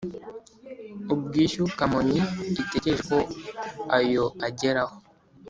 ubwishyu Kamonyi itegereje ko ayo ageraho